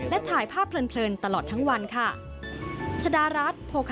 และถ่ายภาพเพลินตลอดทั้งวันค่ะ